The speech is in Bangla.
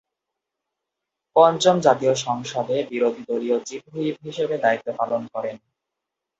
পঞ্চম জাতীয় সংসদে বিরোধী দলীয় চিফ হুইপ হিসেবে দায়িত্ব পালন করেন।